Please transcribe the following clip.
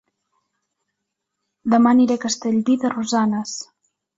Dema aniré a Castellví de Rosanes